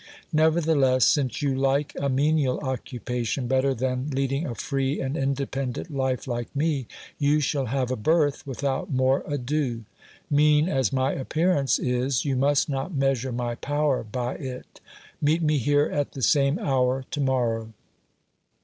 Nevertheless, since you like a menial occupation better than leading a free and independent life like me, you shall have a berth without more ado. Mean as my appearance, is, you must not measure my power by it. Meet me here at the same hour to morrow.